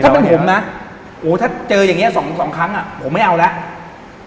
ถ้าเป็นผมนะโอ้ถ้าเจออย่างนี้สองสองครั้งอ่ะผมไม่เอาแล้ว